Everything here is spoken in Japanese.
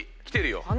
きてるよ。